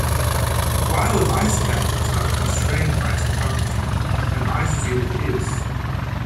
While an ice cap is not constrained by topography, an ice field is.